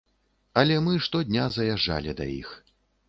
Але мы штодня заязджалі да іх.